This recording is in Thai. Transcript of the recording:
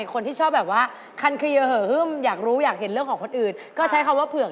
อันนี้ราคาถูกที่สุดครับผม